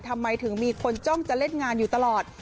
ทำไมถึงมีคนจ้องจะเล่นงานอยู่ตลอด